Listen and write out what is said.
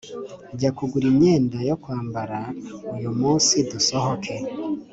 Jya kugura imyenda yo kwambara uyu munsi dusohotse